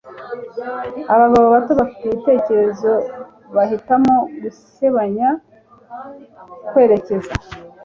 Abagabo bato bafite ibitekerezo bahitamo gusebanya kwerekeza